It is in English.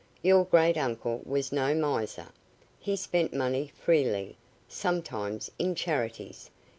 Your great uncle was no miser. He spent money freely, sometimes, in charities.